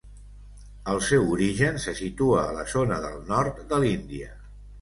El seu origen se situa a la zona del nord de l'Índia.